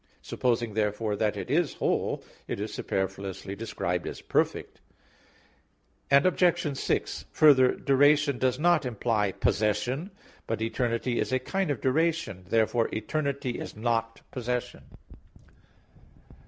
Supposing, therefore, that it is "whole," it is superfluously described as "perfect." Obj. 6: Further, duration does not imply "possession." But eternity is a kind of duration. Therefore eternity is not possession.